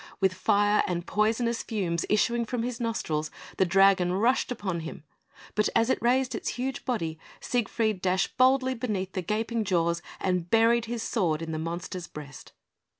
With fire and poisonous fumes issuing from his nostrils, the dragon rushed upon him; but as it raised its huge body, Siegfried dashed boldly beneath the gaping jaws, and buried his sword in the monster's breast.